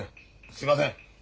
すいません。